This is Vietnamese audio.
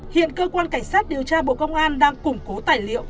hiện cơ quan cảnh sát điều tra bộ công an đang củng cố tài liệu